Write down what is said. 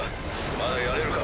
まだやれるか？